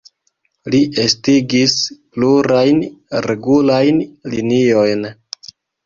Li estigis plurajn regulajn liniojn.